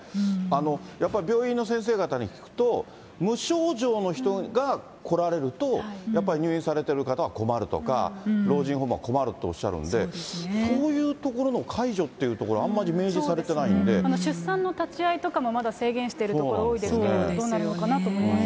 やっぱり病院の先生方に聞くと、無症状の人が来られると、やっぱり入院されてる方は困るとか、老人ホームは困るとおっしゃるんで、そういうところの解除っていうところ、出産の立ち会いとかも、まだ制限してるところ多いですけれども、どうなるのかなと思いますね。